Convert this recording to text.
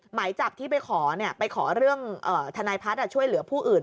หมายจับที่ไปขอไปขอเรื่องทนายพัฒน์ช่วยเหลือผู้อื่น